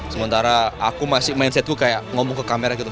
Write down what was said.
sementara aku masih mindsetku kayak ngomong ke kamera gitu